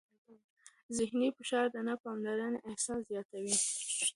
ذهني فشار د نه پاملرنې احساس زیاتوي.